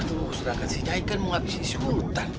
itu usragan si nyaikan mau abisi isi hutan